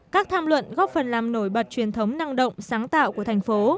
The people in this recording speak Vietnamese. các tham luận góp phần làm nổi bật truyền thống năng động sáng tạo của thành phố